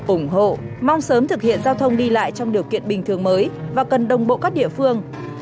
ủng hộ mong sớm thực hiện giao thông đi lại trong điều kiện bình thường mới và cần đồng bộ các địa phương